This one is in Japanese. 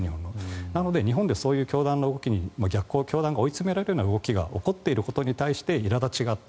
なので日本でそういう教団が追いつめられるような動きが起きていることについていら立ちがあった。